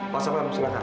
masa berapa selangkah